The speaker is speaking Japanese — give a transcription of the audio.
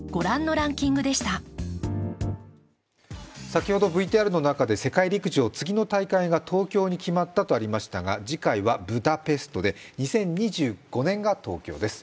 先ほどＶＴＲの中で、世界陸上の次の大会が東京に決まったとありましたが、次回はブタペストで、２０２５年が東京です。